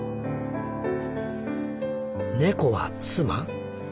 「猫は妻？